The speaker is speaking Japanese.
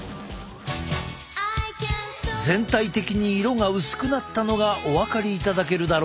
全体的に色が薄くなったのがお分かりいただけるだろうか？